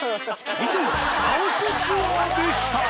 以上ラオスツアーでした